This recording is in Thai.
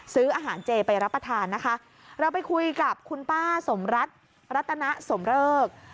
ซื้ออาหารเจไปรับประทานนะคะเราไปคุยกับคุณป้าสมรัฐรัตนสมเริก